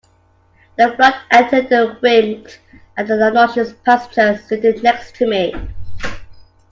The flight attendant winked at the obnoxious passenger seated next to me.